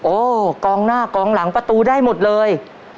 กองหน้ากองหลังประตูได้หมดเลย